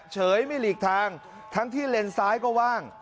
เฉยไม่หลีกทางทั้งที่เลนซ้ายก็ว่าง